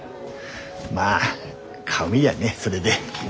まあ顔見りゃねそれで。